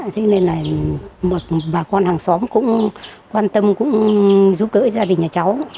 thế nên là một bà con hàng xóm cũng quan tâm cũng giúp đỡ gia đình nhà cháu